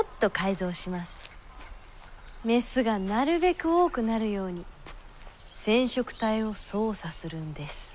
メスがなるべく多くなるように染色体を操作するんです。